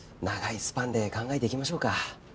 長いスパンで考えていきましょうか。